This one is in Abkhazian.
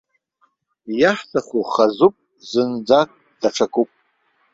Иаҳҭаху хазуп, зынӡак даҽакуп.